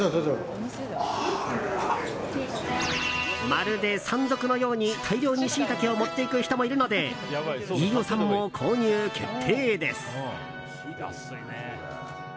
まるで山賊のように大量にシイタケを持っていく人もいるので飯尾さんも購入決定です。